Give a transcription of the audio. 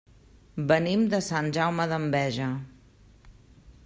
Venim de Sant Jaume d'Enveja.